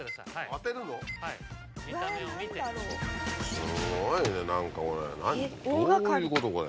すごいね何かこれ。